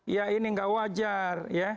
ya ini nggak wajar